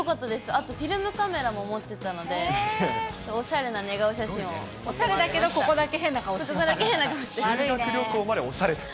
あとフィルムカメラも持ってたので、おしゃれな寝顔写真を、おしゃれだけど、ここだけ変ここだけ変な顔してた。